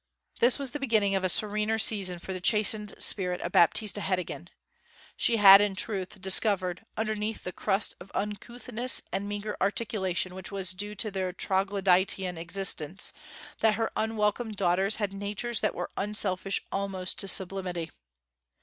This was the beginning of a serener season for the chastened spirit of Baptista Heddegan. She had, in truth, discovered, underneath the crust of uncouthness and meagre articulation which was due to their Troglodytean existence, that her unwelcomed daughters had natures that were unselfish almost to sublimity.